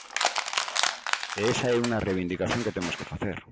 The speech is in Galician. E esa é unha reivindicación que temos que facer.